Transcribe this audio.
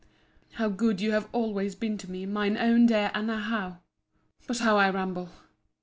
How good you have always been to me, mine own dear Anna Howe!—But how I ramble!